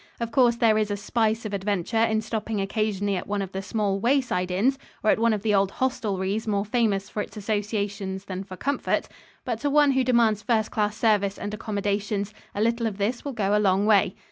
Of course there is a spice of adventure in stopping occasionally at one of the small wayside inns or at one of the old hostelries more famous for its associations than for comfort, but to one who demands first class service and accommodations, a little of this will go a long way.